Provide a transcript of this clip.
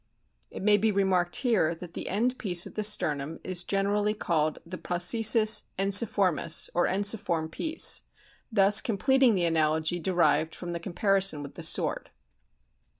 It may be remarked here that the end piece of the sternum is generally called the processus ensiformis, or ensiform piece, thus completing the analogy derived from the com parison with the sword.